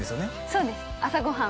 そうです朝ご飯